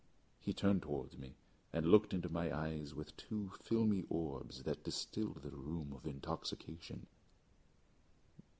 He turned towards me, and looked into my eyes with two filmy orbs that distilled the rheum of intoxication.